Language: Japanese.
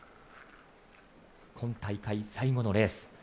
今大会最後のレース。